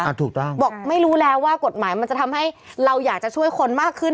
ถูกต้องบอกไม่รู้แล้วว่ากฎหมายมันจะทำให้เราอยากจะช่วยคนมากขึ้น